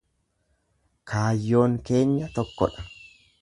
Kaayyoon keenya tokkodha.